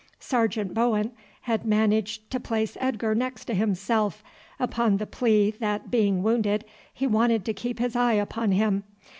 Sergeant Bowen had managed to place Edgar next to himself upon the plea that being wounded he wanted to keep his eye upon him.